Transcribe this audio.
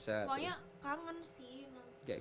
semuanya kangen sih emang